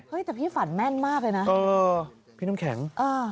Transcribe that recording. แต่พี่ฝันแม่นมากเลยนะเออพี่น้ำแข็งอ่า